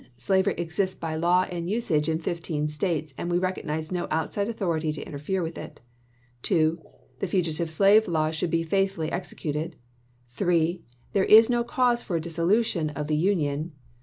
Slavery exists by law and usage in fifteen States, and we recognize no outside authority to interfere with it. 2. The fugitive slave law should be faithfully executed. 3. There is no cause for a dissolution of the Union.